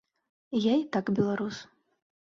Я і так беларус.